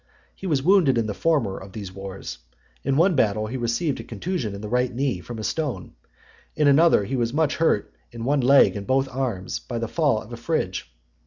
He was wounded in the former of these wars; in one battle he received a contusion in the right knee from a stone and in another, he was much hurt in (84) one leg and both arms, by the fall of a fridge .